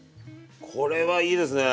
これはいいですね。